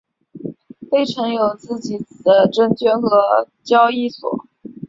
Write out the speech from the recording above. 费城市有自己的证券交易所。